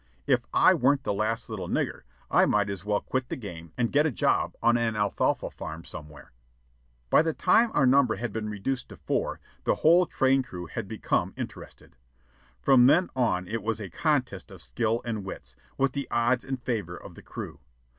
If I weren't the last little nigger, I might as well quit the game and get a job on an alfalfa farm somewhere. By the time our number had been reduced to four, the whole train crew had become interested. From then on it was a contest of skill and wits, with the odds in favor of the crew.